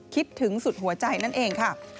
คิดถึงสุดหัวใจนั่นเองค่ะ